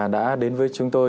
đã đến với chúng tôi